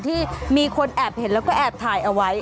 ที่มีคนแอบเห็นแล้วก็แอบถ่ายเอาไว้